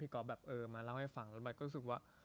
พี่กรอบเอ่อมาเล่าให้ฟังแล้วเราก็รู้สึกว่า